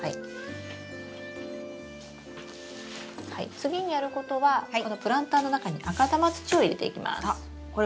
次にやることはこのプランターの中に赤玉土を入れていきます。